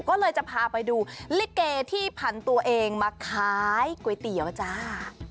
ก็เลยจะพาไปดูลิเกที่ผันตัวเองมาขายก๋วยเตี๋ยวจ้า